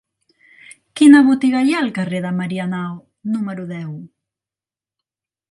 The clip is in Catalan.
Quina botiga hi ha al carrer de Marianao número deu?